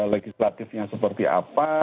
legislatifnya seperti apa